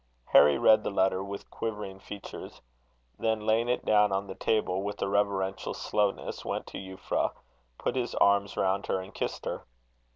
Harry read the letter with quivering features. Then, laying it down on the table with a reverential slowness, went to Euphra, put his arms round her and kissed her.